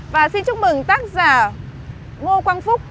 và xin chúc mừng tác giả ngô quang phúc